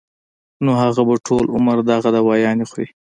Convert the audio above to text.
نو هغه به ټول عمر دغه دوايانې خوري